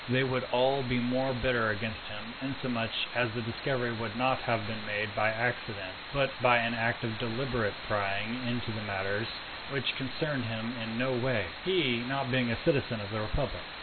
They would be all the more bitter against him, inasmuch as the discovery would not have been made by accident, but by an act of deliberate prying into matters which concerned him in no way, he not being a citizen of the republic.